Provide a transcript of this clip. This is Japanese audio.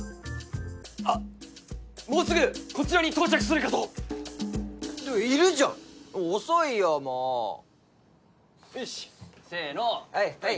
あっもうすぐこちらに到着するかといるじゃん遅いよもうよしせーのはい